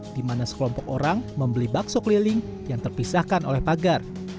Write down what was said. di mana sekelompok orang membeli bakso keliling yang terpisahkan oleh pagar